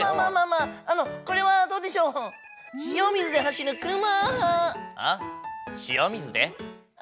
あのこれはどうでしょう？は？